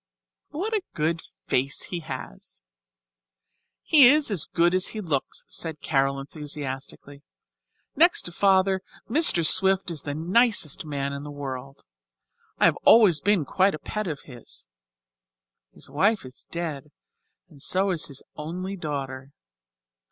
What a good face he has!" "He is as good as he looks," said Carol, enthusiastically. "Next to Father, Mr. Swift is the nicest man in the world. I have always been quite a pet of his. His wife is dead, and so is his only daughter.